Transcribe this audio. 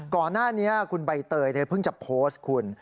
ก่อนหน้านี้คุณใบเตยเพิ่งจะโพสต์คุณ